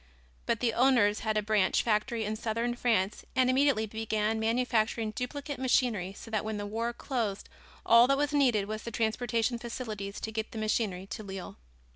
But the owners had a branch factory in southern France and immediately began manufacturing duplicate machinery so that when the war closed all that was needed was the transportation facilities to get the machinery to Lille.